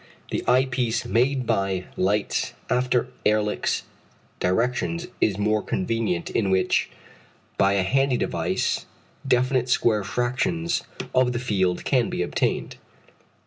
The eye piece made by Leitz after Ehrlich's directions is more convenient, in which, by a handy device, definite square fractions of the field can be obtained.